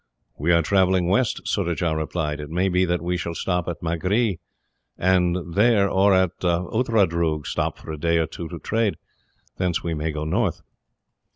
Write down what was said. "We are travelling west," Surajah replied. "It may be that we shall stop at Magree, and there, or at Outradroog, stop for a day or two to trade. Thence we may go north."